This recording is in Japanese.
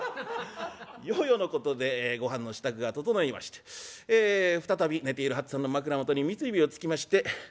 ようようのことでごはんの支度が整いまして再び寝ている八っつぁんの枕元に三つ指をつきまして。